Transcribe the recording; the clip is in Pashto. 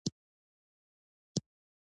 مځکه پر خپل مدار حرکت کوي.